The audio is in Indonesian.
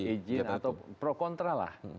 izin atau pro kontra lah